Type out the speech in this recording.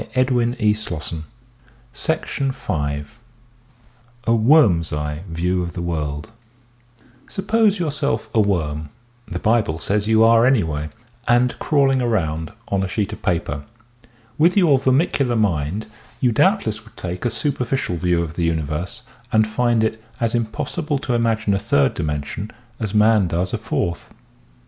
A WORM'S EYE VIEW OP THE WORLD 37 A WORM*S EYE VIEW OF THE WORLD Suppose yourself a worm — the Bible says you are anyway — and crawling around on a sheet of paper. With your vermicular mind you doubtless would take a superficial view of the universe and find it as im possible to imagine a third dimension as man does a fourth.